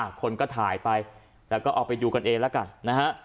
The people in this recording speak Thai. คนก็ถ่ายไปแล้วก็เอาไปดูกันเองแล้วกันนะฮะ